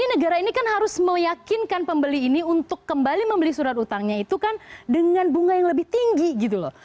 jadi negara ini kan harus meyakinkan pembeli ini untuk kembali membeli surat utangnya itu kan dengan bunga yang lebih tinggi gitu loh